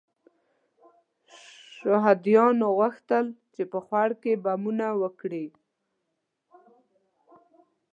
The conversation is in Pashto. شهادیانو غوښتل چې په خوړ کې بمونه وکري.